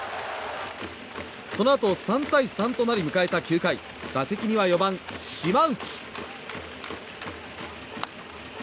そのあと３対３となり迎えた９回打席には４番、島内。